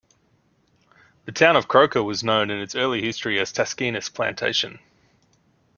The town of Croaker was known in its early history as Taskinas Plantation.